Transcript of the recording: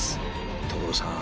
所さん！